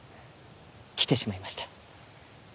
来てしまいました。